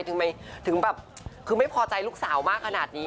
ทำไมถึงแบบคือไม่พอใจลูกสาวมากขนาดนี้